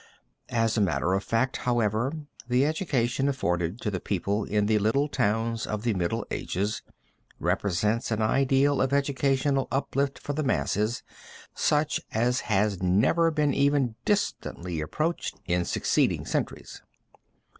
As a matter of fact, however, the education afforded to the people in the little towns of the Middle Ages, represents an ideal of educational uplift for the masses such as has never been even distantly approached in succeeding centuries.